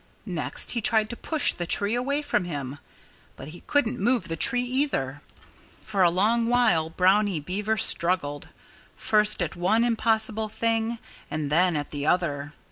Next he tried to push the tree away from him. But he couldn't move the tree either. For a long while Brownie Beaver struggled, first at one impossible thing, and then at the other.